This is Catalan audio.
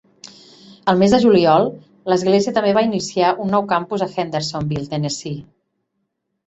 El mes de juliol, l'església també va iniciar un nou campus a Hendersonville, Tennessee.